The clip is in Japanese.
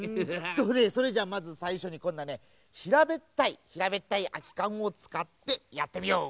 どれそれじゃあまずさいしょにこんなねひらべったいひらべったいあきかんをつかってやってみよう！